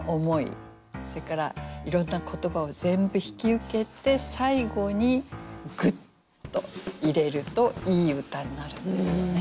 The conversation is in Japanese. それからいろんな言葉を全部引き受けて最後にぐっと入れるといい歌になるんですよね。